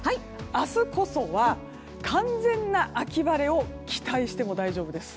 明日こそは完全な秋晴れを期待しても大丈夫です。